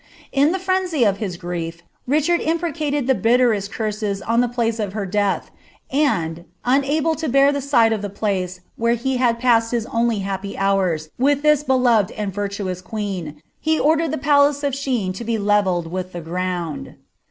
In the frenzy of his grief, Ricbart] imprecatMl Um hMMMi curses on the place of her death, and, unable to beu Uw sight rf At place where he had passed his only happy hours, with this brinivi iri virtuous queen, he ordered the palace of Slieoe lo b« levelled mA th ground.'